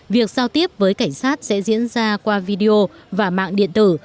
việc giao tiếp với cảnh sát sẽ diễn ra qua video và mạng điện tử